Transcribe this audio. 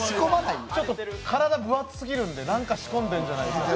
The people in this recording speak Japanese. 体、分厚すぎるんで、何か仕込んでるんじゃないかって。